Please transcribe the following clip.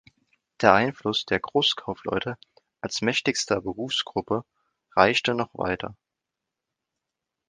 Der Einfluss der Großkaufleute als mächtigster Berufsgruppe reichte noch weiter.